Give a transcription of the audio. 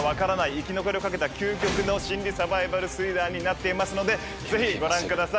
生き残りを懸けた究極の心理サバイバルスリラーになっていますのでぜひご覧ください。